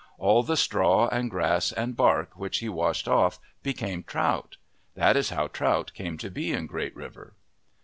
All the straw and grass and bark which he washed off became trout. That is how trout came to be in Great River.